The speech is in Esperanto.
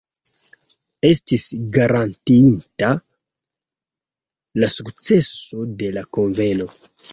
Estis garantiita la sukceso de la Kunveno.